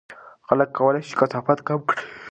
خلک کولای شي کثافات کم کړي.